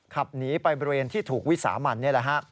ขับหนีไปบริเวณที่ถูกวิสามัน